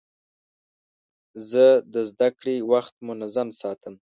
زه د زدهکړې وخت منظم ساتم.